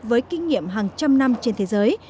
với kinh nghiệm hàng trăm năm trên thế giới